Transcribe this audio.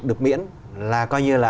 được miễn là coi như là